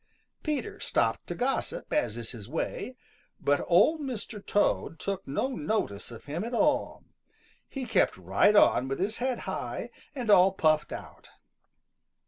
Peter stopped to gossip, as is his way. But Old Mr. Toad took no notice of him at all. He kept right on with his head high, and all puffed out.